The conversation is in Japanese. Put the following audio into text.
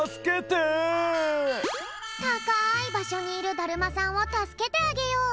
たかいばしょにいるだるまさんをたすけてあげよう！